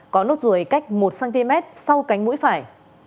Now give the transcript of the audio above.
có nốt ruồi cách một cm sau cánh mũi phải